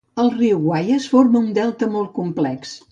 El riu Guayas forma un delta molt complex.